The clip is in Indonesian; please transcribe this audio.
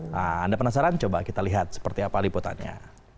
nah anda penasaran coba kita lihat seperti apa liputannya